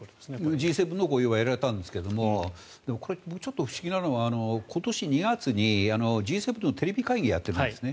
Ｇ７の合意は得られたんですけどもでもこれ、ちょっと不思議なのは今年２月にＧ７のテレビ会議をやってるんですね。